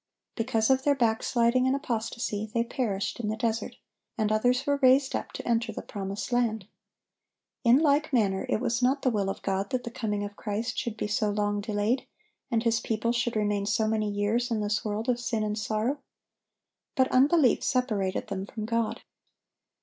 (769) Because of their backsliding and apostasy, they perished in the desert, and others were raised up to enter the promised land. In like manner, it was not the will of God that the coming of Christ should be so long delayed, and His people should remain so many years in this world of sin and sorrow. But unbelief separated them from God.